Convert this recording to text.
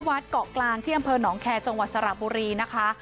เกาะกลางที่อำเภอหนองแคร์จังหวัดสระบุรีนะคะ